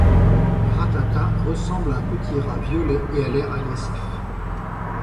Rattata ressemble à un petit rat violet et a l'air agressif.